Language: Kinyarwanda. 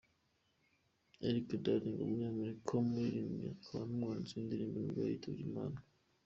Erik Darling, umunyamerika w’umuririmbyi akaba n’umwanditsi w’indirimbo nibwo yitabye Imana.